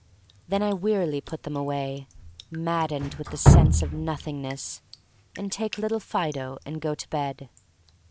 Then I wearily put them away, mad dened with the sense of Nothingness, and take Little Fido and go to bed.